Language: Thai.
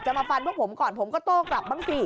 มาฟันพวกผมก่อนผมก็โต้กลับบ้างสิ